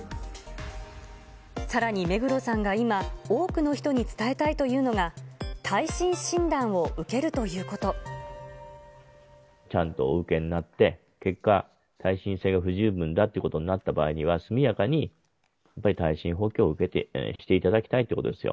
さらに目黒さんが今、多くの人に伝えたいというのが、ちゃんとお受けになって、結果、耐震性が不十分だということになった場合には、速やかに耐震補強をしていただきたいということですよ。